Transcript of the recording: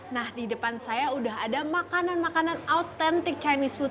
nah di depan saya udah ada makanan makanan autentik chinese food